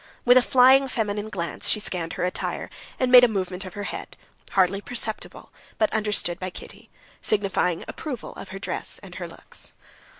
With a flying, feminine glance she scanned her attire, and made a movement of her head, hardly perceptible, but understood by Kitty, signifying approval of her dress and her looks.